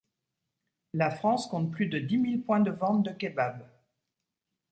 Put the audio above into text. La France compte plus de dix mille points de vente de kebabs.